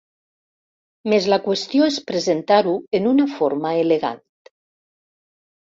Més la qüestió es presentar-ho en una forma elegant.